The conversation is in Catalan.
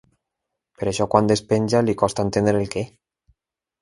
Per això quan despenja li costa entendre el què.